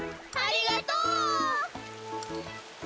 ありがとう！